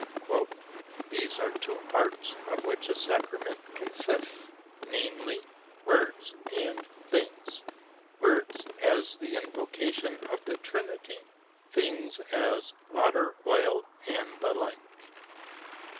"There are two parts of which a sacrament consists, namely words and things: words, as the invoca tion of the Trinity; things, as water, oil, and the like."